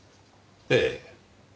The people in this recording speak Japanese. ええ。